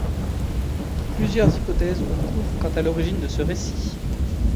Plusieurs hypothèses ont cours quant à l’origine de ce récit.